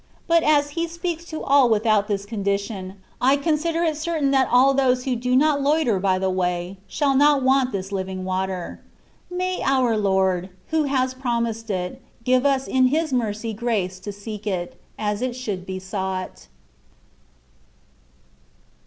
^^ But as He speaks to all without this condition, I consider it certain that all those who do not loiter by the way shall not want this living water. May our Lord, who has promised it, give us in His mercy grace to seek it, as it should be sought.